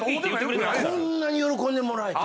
こんなに喜んでもらえて。